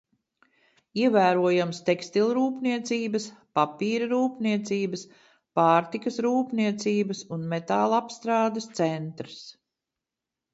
Ievērojams tekstilrūpniecības, papīra rūpniecības, pārtikas rūpniecības un metālapstrādes centrs.